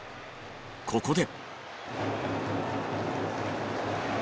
ここで。